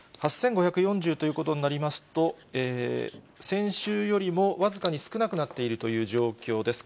８５４０ということになりますと、先週よりも僅かに少なくなっているという状況です。